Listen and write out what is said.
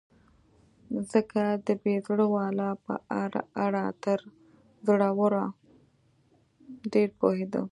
ځکه د بې زړه والاو په اړه تر زړورو ډېر پوهېده.